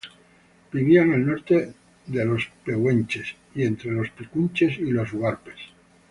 Vivían al norte de los pehuenches y entre los picunches y los huarpes.